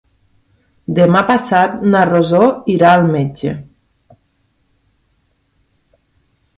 Demà passat na Rosó irà al metge.